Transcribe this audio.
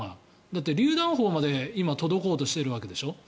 だってりゅう弾砲まで今届こうとしているわけでしょ。